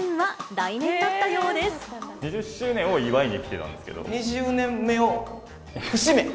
２０周年を祝いに来てたんで２０年目の節目！